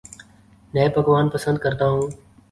نئے پکوان پسند کرتا ہوں